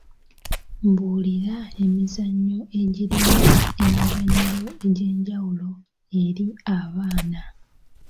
Mbuulira emizannyo egirimu emiganyulo egy'enjawulo eri abaana?